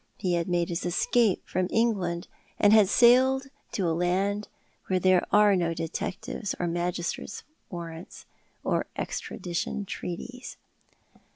He had made his escape from England, and had sailed to a land where there arc no detectives or magistrates' warrants, or extradition treaties.